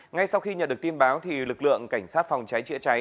ngay sau khi nhận được tin báo thì lực lượng cảnh sát phòng cháy trịa cháy